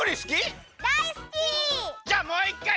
じゃあもういっかい！